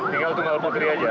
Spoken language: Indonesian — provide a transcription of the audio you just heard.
tinggal tunggal putri aja